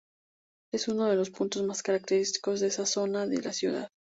Es uno de los puntos más característicos de esa zona de la ciudad.